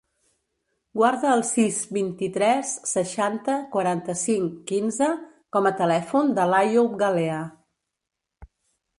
Guarda el sis, vint-i-tres, seixanta, quaranta-cinc, quinze com a telèfon de l'Àyoub Galea.